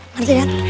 kalian jangan keluar